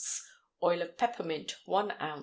Oil of peppermint 1 oz.